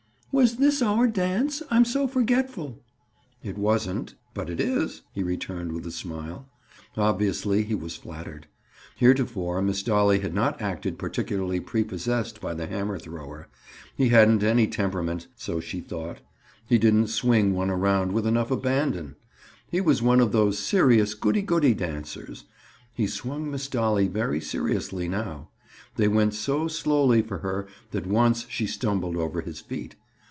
"Was this our dance? I'm so forgetful!" "It wasn't, but it is," he returned with a smile. Obviously he was flattered. Heretofore Miss Dolly had not acted particularly prepossessed by the hammer thrower; he hadn't any temperament—so she thought; he didn't swing one around with enough abandon. He was one of those serious goody goody dancers. He swung Miss Dolly very seriously now; they went so slowly for her that once she stumbled over his feet.